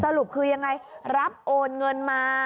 สรุปคือยังไงรับโอนเงินมา